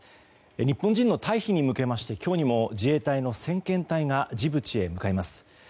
日本人の退避に向けまして今日にも自衛隊の先遣隊がジブチへ向かいます。